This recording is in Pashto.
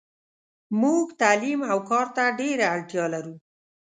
موږ تعلیم اوکارته ډیره اړتیالرو .